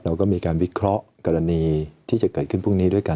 เราก็มีการวิเคราะห์กรณีที่จะเกิดขึ้นพรุ่งนี้ด้วยกัน